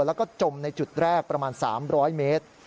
แล้วก็จมในจุดแรกประมาณ๓๐๐เมตร